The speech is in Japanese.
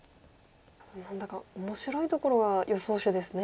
何だか面白いところが予想手ですね。